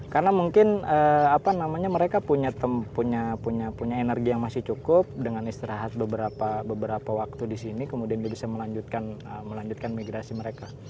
karena mungkin mereka punya energi yang masih cukup dengan istirahat beberapa waktu di sini kemudian bisa melanjutkan migrasi mereka